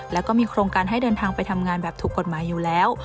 แล้วก็มีโครงการให้เดินทางไปทำงานแบบถูกกฎหมายอยู่แล้ว